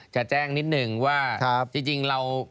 จะแจ้งนิดนึงว่าจริงเรา